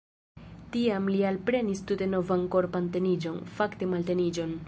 Tiam li alprenis tute novan korpan teniĝon – fakte malteniĝon.